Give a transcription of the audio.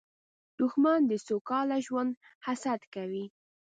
دښمن د سوکاله ژوند حسد کوي